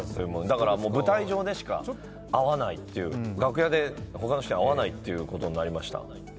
だから舞台上でしか会わない、楽屋で他の人に会わないということになりました。